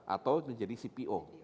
atau menjadi cpo